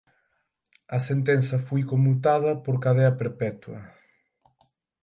A sentenza foi conmutada por cadea perpetua.